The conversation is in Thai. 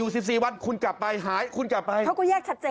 สิบสี่วันคุณกลับไปหายคุณกลับไปเขาก็แยกชัดเจน